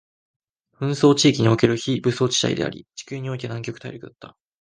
紛争地域における非武装地帯であり、地球においての南極大陸だった